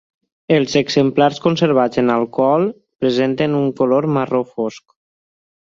Els exemplars conservats en alcohol presenten un color marró fosc.